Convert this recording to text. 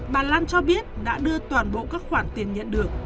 bà lan cho biết đã đưa toàn bộ các khoản tiền nhận được